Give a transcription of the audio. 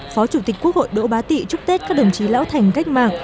phó chủ tịch quốc hội đỗ bá tị chúc tết các đồng chí lão thành cách mạng